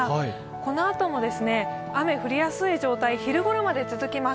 このあとも雨降りやすい状態昼ごろまで続きます。